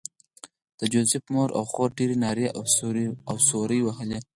د جوزف مور او خور ډېرې نارې او سورې وهلې